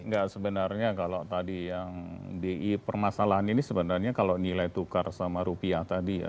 enggak sebenarnya kalau tadi yang di permasalahan ini sebenarnya kalau nilai tukar sama rupiah tadi ya